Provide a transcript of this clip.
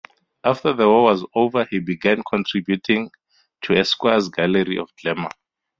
After the war was over, he began contributing to Esquire's Gallery of Glamour.